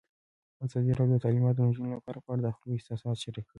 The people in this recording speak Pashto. ازادي راډیو د تعلیمات د نجونو لپاره په اړه د خلکو احساسات شریک کړي.